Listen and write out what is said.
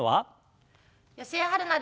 吉江晴菜です。